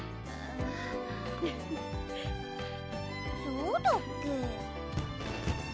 そうだっけ？